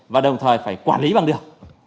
và đồng thời phải quản lý bằng điều